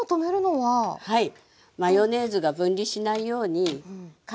はい。